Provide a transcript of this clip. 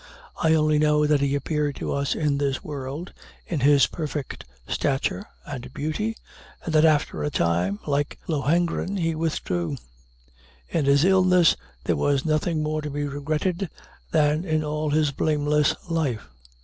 I only know that he appeared to us in this world in his perfect stature and beauty, and that after a time, like Lohengrin, he withdrew. In his illness there was nothing more to be regretted than in all his blameless life.